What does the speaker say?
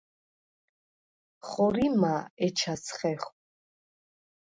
ხორიმა̄ ეჩას ხეხვ?